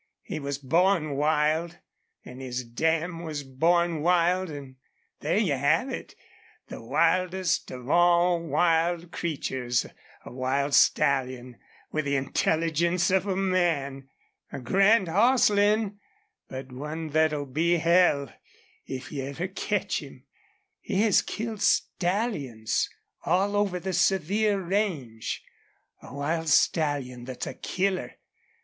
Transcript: He was born wild, an' his dam was born wild, an' there you have it. The wildest of all wild creatures a wild stallion, with the intelligence of a man! A grand hoss, Lin, but one thet'll be hell, if you ever ketch him. He has killed stallions all over the Sevier range. A wild stallion thet's a killer!